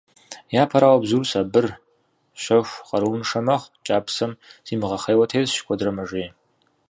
Япэрауэ, бзур сабыр, щэху, къарууншэ мэхъу, кӏапсэм зимыгъэхъейуэ тесщ, куэдрэ мэжей.